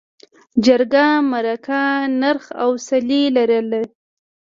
جرګه، مرکه، نرخ او څلي لرل.